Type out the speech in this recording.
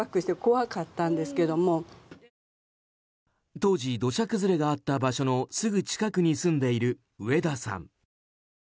当時、土砂崩れがあった場所のすぐ近くに住んでいる植田さん。